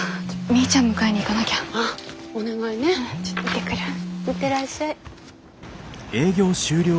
行ってらっしゃい。